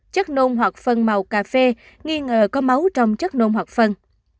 chất nôn hoặc phân màu cà phê nghi ngờ có máu trong chất nôn hoặc phân